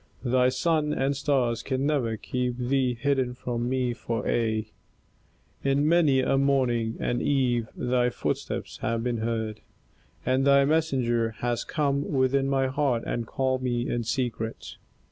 Thy sun and stars can never keep thee hidden from me for aye. In many a morning and eve thy footsteps have been heard and thy messenger has come within my heart and called me in secret.